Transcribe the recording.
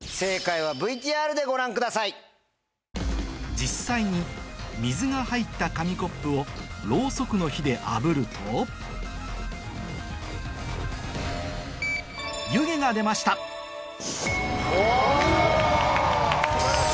実際に水が入った紙コップをろうそくの火であぶると湯気が出ましたお見事。